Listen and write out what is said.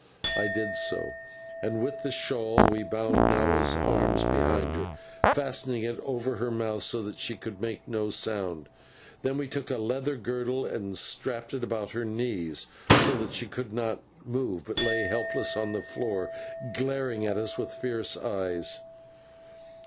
I did so, and with the shawl we bound Nahua's arms behind her, fastening it over her mouth so that she could make no sound. Then we took a leather girdle and strapped it about her knees, so that she could not move, but lay helpless on the floor, glaring at us with her fierce eyes.